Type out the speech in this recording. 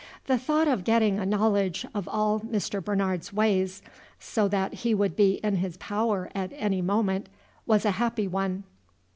The thought of getting a knowledge of all Mr. Bernard's ways, so that he would be in his power at any moment, was a happy one.